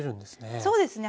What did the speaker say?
そうですね。